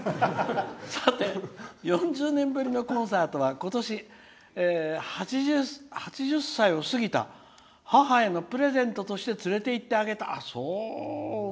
「さて４０年ぶりのコンサートは今年、８０歳を過ぎた母へのプレゼントとして連れて行ってあげた。